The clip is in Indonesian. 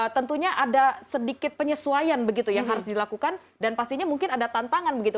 tentunya ada sedikit penyesuaian begitu yang harus dilakukan dan pastinya mungkin ada tantangan begitu